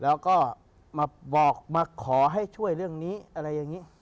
แล้วก็มาบอกมาขอให้ช่วยเรื่องนี้อะไรอย่างนี้